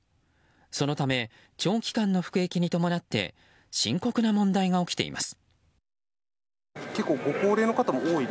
そのため、長期間の服役に伴って深刻な問題が起きています。